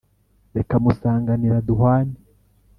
Rekamusanganira duhwane